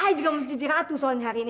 i juga harus jadi ratu soalnya hari ini